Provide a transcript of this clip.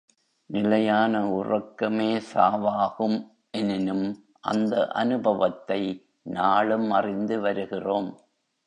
நிலையான உறக்கமே சாவாகும் எனினும் அந்த அனுபவத்தை நாளும் அறிந்துவருகிறோம்.